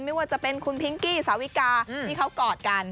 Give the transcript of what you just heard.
ไม่ว่าจะเป็นคุณพิงกี้สาวิกาที่เขากอดกัน